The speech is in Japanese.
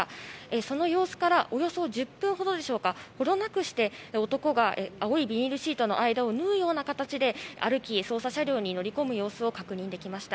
その様子からおよそ１０分ほどでしょうかほどなくして男が青いビニールシートの間を縫うような形で歩き捜査車両に乗り込む様子を確認できました。